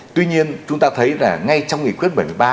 tuy nhiên chúng ta thấy là ngay trong nghị quyết bảy mươi ba